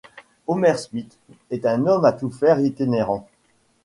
Homer Smith est un homme à tout faire itinérant.